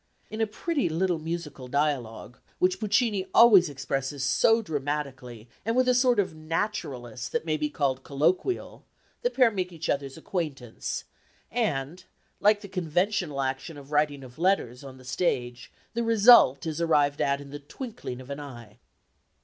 In a pretty little musical dialogue, which Puccini always expresses so dramatically and with a sort of naturalness that may be called colloquial, the pair make each other's acquaintance, and, like the conventional action of writing of letters on the stage, the result is arrived at in the twinkling of an eye.